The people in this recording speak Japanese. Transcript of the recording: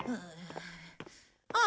あっ！